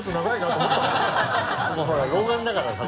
もうほら老眼だからさ。